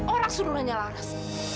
orang suruh nanya laras